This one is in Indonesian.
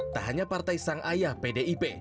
tak hanya partai sang ayah pdip